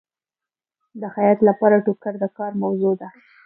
د خیاط لپاره ټوکر د کار موضوع ده.